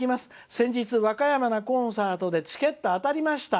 先日、和歌山のコンサートでチケット当たりました！